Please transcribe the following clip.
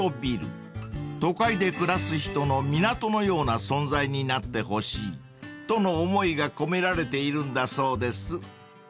［都会で暮らす人の港のような存在になってほしいとの思いが込められているんだそうです］